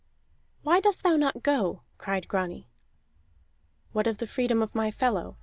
"Why dost thou not go?" cried Grani. "What of the freedom of my fellow?"